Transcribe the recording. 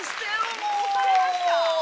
どうされました？